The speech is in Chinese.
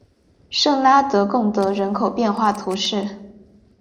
圣拉德贡德人口变化图示